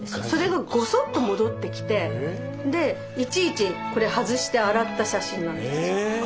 それがごそっと戻ってきてでいちいちこれ外して洗った写真なんですよ。